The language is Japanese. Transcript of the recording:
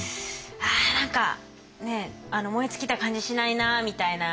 何か燃え尽きた感じしないなみたいな。